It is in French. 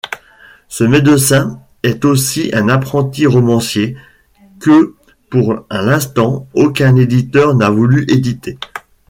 Ce médecin est aussi un apprenti-romancier, que pour l'instant aucun éditeur n'a voulu éditer.